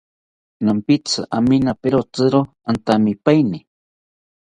Nampitzi aminaperotziro antamipaeni